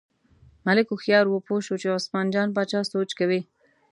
ملک هوښیار و، پوه شو چې عثمان جان باچا سوچ کوي.